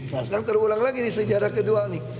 nah sekarang terulang lagi di sejarah kedua nih